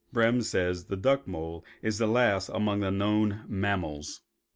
Brehm says that the duck mole is the last among the known mammals.